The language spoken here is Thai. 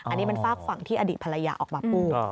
อันนี้เป็นฝากฝั่งที่อดีตภรรยาออกมาพูด